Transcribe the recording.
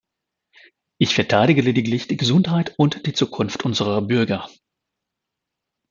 Ich verteidige lediglich die Gesundheit und die Zukunft unserer Bürger.